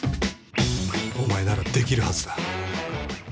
お前ならできるはずだ。